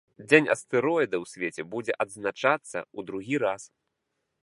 Дзень астэроіда ў свеце будзе адзначацца ў другі раз.